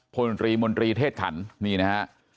พลตรีมนตรีเทศขันนี่นะฮะ